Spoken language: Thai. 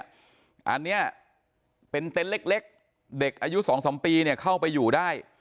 อันนี้เป็นเต็นต์เล็กเด็กอายุ๒๓ปีเข้าไปอยู่ได้